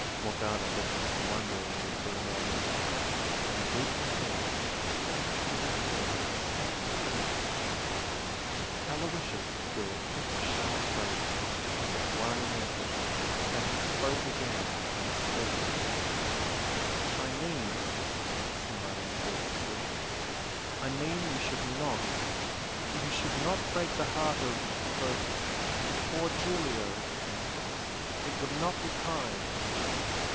Morgana looked at him wonderingly for a moment, then drooped her head with a strange little air of sudden penitence. Aloysius drew a quick sharp breath as of one in effort, then he spoke again, unsteadily "I mean" he said, smiling forcedly "I mean that you should not you should not break the heart of of the poor Giulio for instance!... it would not be kind."